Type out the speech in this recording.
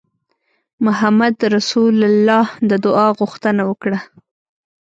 محمدرسول د دعا غوښتنه وکړه.